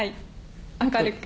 明るく。